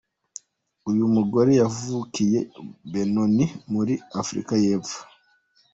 Uyu mugore yavukiye Benoni muri Afurika y’Epfo.